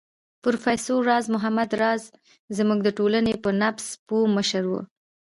پروفېسر راز محمد راز زموږ د ټولنې په نبض پوه مشر و